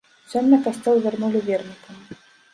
Сёння касцёл вярнулі вернікам.